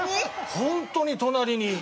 ホントに隣に。